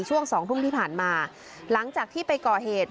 ช่วงสองทุ่มที่ผ่านมาหลังจากที่ไปก่อเหตุ